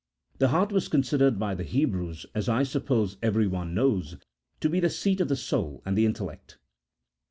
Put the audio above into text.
The heart was considered by the Hebrews, as I suppose every one knows, to be the seat of the soul and the intellect.